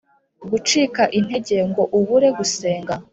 gucika intege ngo ubure gusenga